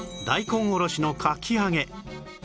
大根おろしのかき揚げ